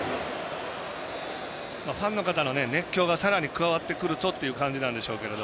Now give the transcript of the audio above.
ファンの方の熱狂がさらに加わってくるとという感じなんでしょうけど。